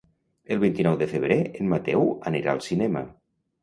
El vint-i-nou de febrer en Mateu anirà al cinema.